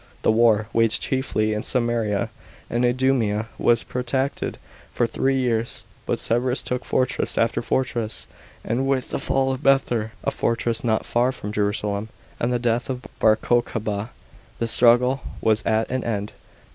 The war, waged chiefly in Samaria and Idumea, was protracted for three years; but Severus took fortress after fortress, and with the fall of Bether (a fortress not far from Jerusalem), and the death of Bar Cocaba, the struggle was at an end.